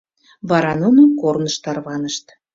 Вара нуно корныш тарванышт.